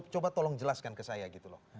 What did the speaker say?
coba tolong jelaskan ke saya gitu loh